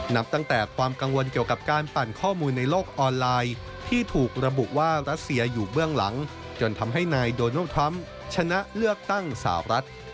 นับตั้งแต่ความกังวลเกี่ยวกับการปั่นข้อมูลในโลกออนไลน์ที่ถูกระบุว่ารัสเซียอยู่เบื้องหลังจนทำให้นายโดนัลด์ทรัมป์ชนะเลือกตั้งสาวรัฐ